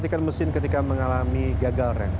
pastikan mesin ketika mengalami gagal rem